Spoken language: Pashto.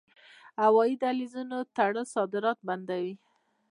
د هوایی دهلیزونو تړل صادرات بندوي.